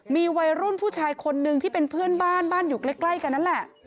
มีวัยรุ่นผู้ชายคนนึงที่เป็นเพื่อนบ้านบ้านอยู่ใกล้กันนั่นแหละ